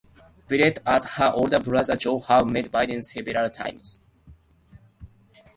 Blewitt and her older brother Joe have met Biden several times.